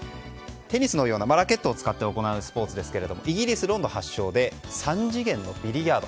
テニスのようなラケットを使って行うスポーツですがイギリス・ロンドン発祥で３次元のビリヤード。